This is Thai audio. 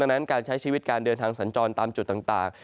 ดังนั้นการใช้ชีวิตการเดินทางสัญจรตามจุดต่าง